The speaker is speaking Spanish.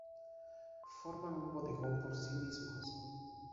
Forman un bodegón por sí mismos.